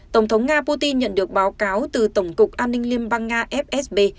tổng thống nga putin nhận được báo cáo từ tổng cục an ninh liên bang nga fsb